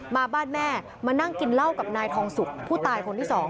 มานั่งกินเหล้ากับนายทองสุกผู้ตายคนที่สอง